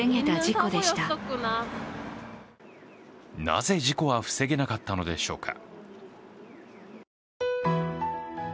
なぜ事故は防げなかったのでしょうか。